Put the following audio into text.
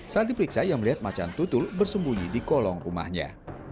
saat diperiksa ia melihat macan tutul bersembunyi di kolong rumahnya